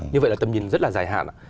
như vậy là tầm nhìn rất là dài hạn